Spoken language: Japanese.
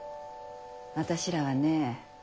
私らはね